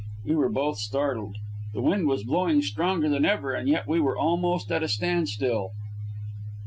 We were both startled. The wind was blowing stronger than ever, and yet we were almost at a standstill.